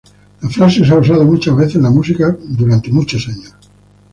La frase se ha usado muchas veces en la música por muchos años.